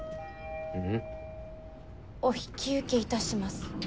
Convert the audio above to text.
お引き受けいたします。